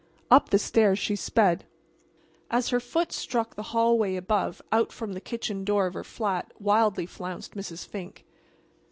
Up the stairs she sped. As her foot struck the hallway above out from the kitchen door of her flat wildly flounced Mrs. Fink.